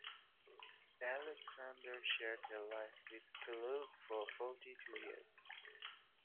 Alexander shared her life with Kellogg for forty-two years.